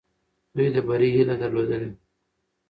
دوی د بري هیله درلودلې.